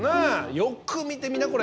よく見てみなこれ。